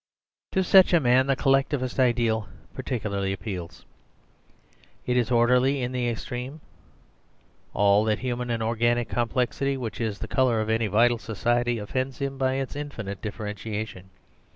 To such a man the Collectivist ideal particularly appeals. It is orderly in the extreme. All that human and organic complexity which is the colour of any vital society offends himbyitsinfinite differentiation.